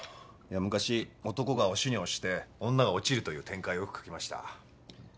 昔男が押しに押して女が落ちるという展開よく書きました。